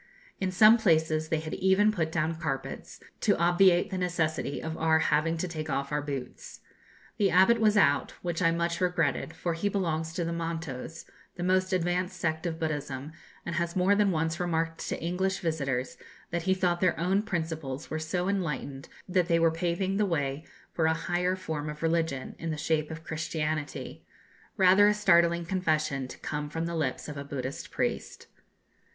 In some places they had even put down carpets, to obviate the necessity of our having to take off our boots. The Abbot was out, which I much regretted, for he belongs to the Montos, the most advanced sect of Buddhism, and has more than once remarked to English visitors that he thought their own principles were so enlightened that they were paving the way for a higher form of religion, in the shape of Christianity rather a startling confession to come from the lips of a Buddhist priest.